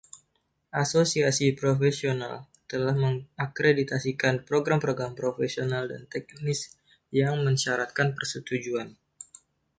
Asosiasi profesional telah mengakreditasikan program-program profesional dan teknis yang mensyaratkan persetujuan.